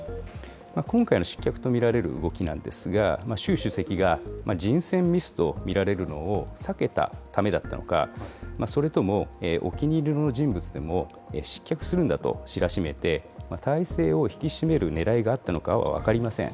今回の失脚と見られる動きなんですが、習主席が人選ミスと見られるのを避けたためだったのか、それともお気に入りの人物でも失脚するんだと知らしめて、体制を引き締めるねらいがあったのかは分かりません。